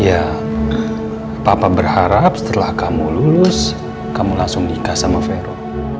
ya papa berharap setelah kamu lulus kamu langsung nikah sama vero